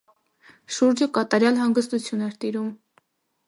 Շուրջը կատարյալ հանգստություն էր տիրում: